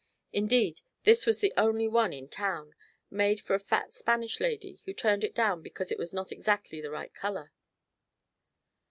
Indeed, this was the only one in town, made for a fat Spanish lady who turned it down because it was not exactly the right color."